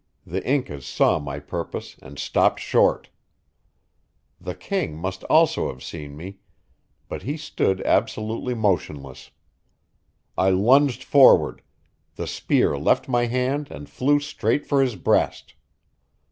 The Incas saw my purpose and stopped short. The king must also have seen me, but he stood absolutely motionless. I lunged forward; the spear left my hand and flew straight for his breast.